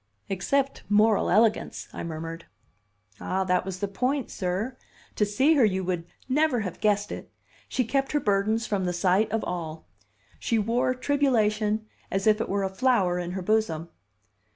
"Except moral elegance," I murmured. "Ah, that was the point, sir! To see her you would never have guessed it! She kept her burdens from the sight of all. She wore tribulation as if it were a flower in her bosom.